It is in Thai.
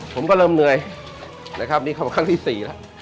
ผมก็เริ่มเหนื่อยนะครับนี่เข้ามาครั้งที่๔แล้ว